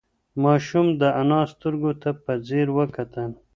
ماشوم د انا سترگو ته په ځير وکتل.